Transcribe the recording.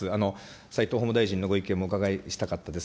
斉藤法務大臣のご意見もお伺いしたかったです。